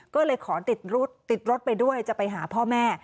ก็เลยขอติดรถติดรถไปด้วยจะไปหาพ่อแม่